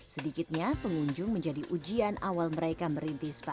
sedikitnya pengunjung menjadi ujian awal mereka merintis spa